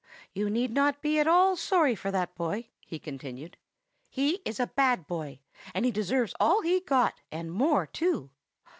"You need not be at all sorry for that boy," he continued. "He is a bad boy, and he deserves all he got, and more too."